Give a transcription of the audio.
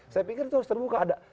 saya pikir itu harus terbuka ada